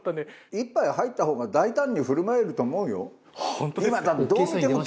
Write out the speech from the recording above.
１杯は入った方が大胆に振る舞えると思うよ。